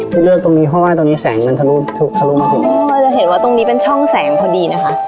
ที่เลือกตรงนี้เพราะว่าตรงนี้แสงมันทะลุทะลุมาถึงโอ้เราจะเห็นว่าตรงนี้เป็นช่องแสงพอดีนะคะ